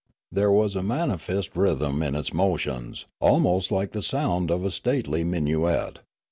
There was a mani fest rhythm in its motions, almost like the sound of a stately minuet.